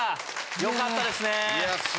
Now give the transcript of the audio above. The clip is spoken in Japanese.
よかったですね。